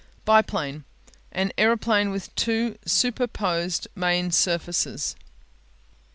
Biplane (bi'plane) An aeroplane with two superposed main surfaces.